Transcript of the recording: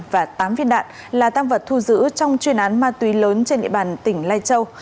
và tám viên đạn là tăng vật thu giữ trong chuyên án ma túy lớn trên địa bàn tỉnh lai châu